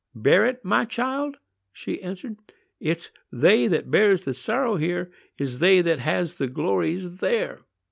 "Bear it, my child?" she answered, "it's they that bears the sorrow here is they that has the glories there."